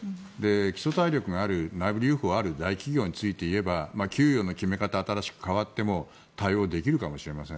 基礎体力がある内部留保がある大企業については給与の決め方が新しく変わっても対応できるかもしれません。